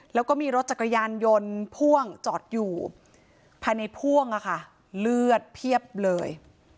แล้วก็มีรถจักรยานยนต์พ่วงจอดอยู่ภายในพ่วงอะค่ะเลือดเพียบเลย